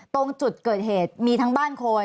ตรงจุดเกิดเหตุมีทั้งบ้านคน